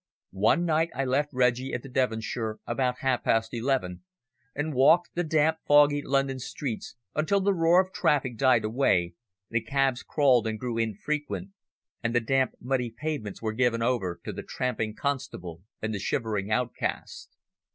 One night I left Reggie at the Devonshire about half past eleven and walked the damp, foggy London streets until the roar of traffic died away, the cabs crawled and grew infrequent and the damp, muddy pavements were given over to the tramping constable and the shivering outcast.